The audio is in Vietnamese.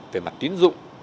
về mặt tín dụng